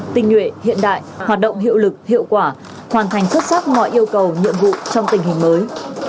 tinh nguyện hiện đại hoạt động hiệu lực hiệu quả hoàn thành xuất sắc mọi yêu cầu nhiệm vụ trong tình hình mới